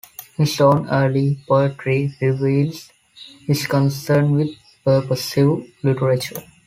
His own early poetry reveals his concern with purposive literature.